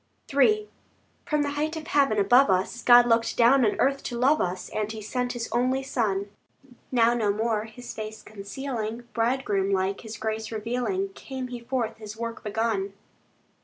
III From the height of heaven above us, God looked down on earth to love us, And He sent His only Son. Now no more His face concealing, Bridegroom like, His grace revealing, Came He forth His work begun.